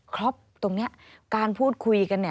ครับตรงนี้การพูดคุยกัน